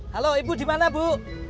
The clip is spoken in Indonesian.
halo ibu di mana bu